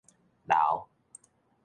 劉